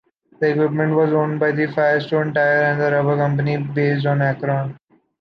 The equipment was owned by the Firestone Tire and Rubber Company, based in Akron.